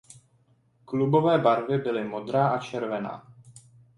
Klubové barvy byly modrá a červená.